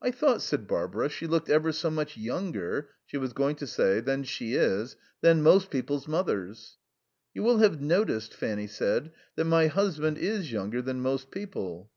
"I thought," said Barbara, "she looked ever so much younger" she was going to say, "than she is" "than most people's mothers." "You will have noticed," Fanny said, "that my husband is younger than most people."